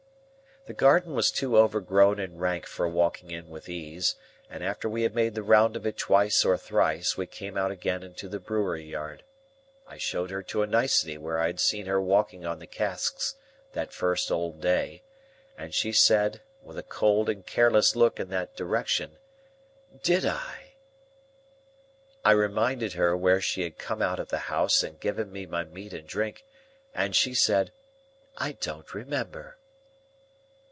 The garden was too overgrown and rank for walking in with ease, and after we had made the round of it twice or thrice, we came out again into the brewery yard. I showed her to a nicety where I had seen her walking on the casks, that first old day, and she said, with a cold and careless look in that direction, "Did I?" I reminded her where she had come out of the house and given me my meat and drink, and she said, "I don't remember."